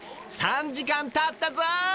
３時間たったぞ！